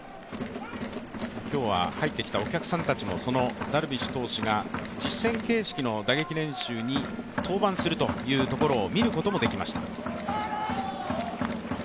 今日は入ってきたお客さんたちもダルビッシュ投手が実戦形式の打撃練習に登板するというところを見ることもできました。